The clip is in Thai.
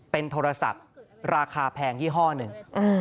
เป็นโทรศัพท์ราคาแพงยี่ห้อหนึ่ง